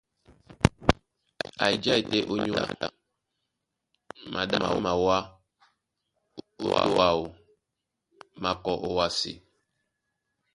A jái tɛ́ ónyólá ɗá, maɗá má mawá ó tô áō, má kɔ́ ówásē.